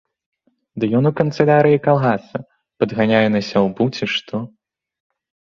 Ды ён у канцылярыі калгаса, падганяе на сяўбу, ці што.